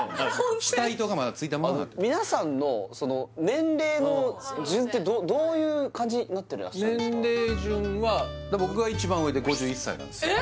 下糸がまだついてまんまみなさんの年齢の順ってどういう感じになってらっしゃるんですか年齢順は僕が一番上で５１歳なんですよ